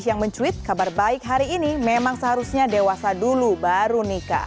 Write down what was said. yang mencuit kabar baik hari ini memang seharusnya dewasa dulu baru nikah